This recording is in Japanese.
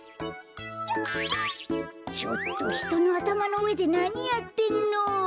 ちょっとひとのあたまのうえでなにやってんの？